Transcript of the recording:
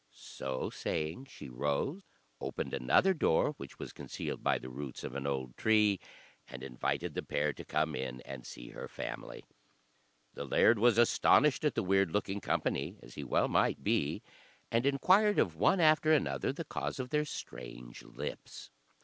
So saying she rose, opened another door, which was concealed by the roots of an old tree, and invited the pair to come in and see her family. The laird was astonished at the weird looking company, as he well might be, and inquired of one after another the cause of their strange lips.